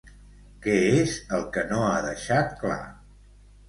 Què és el que no ha deixat clar?